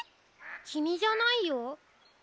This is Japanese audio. きみじゃないよ。